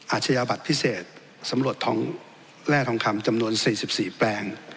อาชญาบัตรพิเศษสำรวจทองแร่ทองคำจำนวน๔๔แปลง